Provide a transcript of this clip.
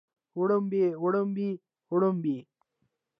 وړومبي وړومبۍ وړومبنۍ